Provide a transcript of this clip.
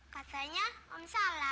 katanya om salam